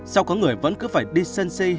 sao có người vẫn cứ phải đi sân si